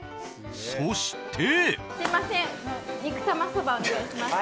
そして。